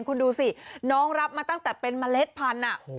คุณดูสิน้องรับมาตั้งแต่เป็นเมล็ดพันธุ์